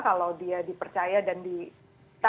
kalau dia dipercaya dan dipercaya